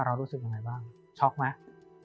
รู้สึกยังไงบ้างช็อกไหม